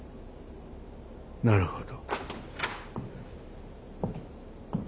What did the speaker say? なるほど。